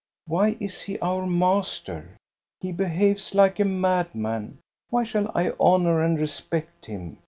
Why is he our master? He behaves like a madman. Why shall I honor and respect him?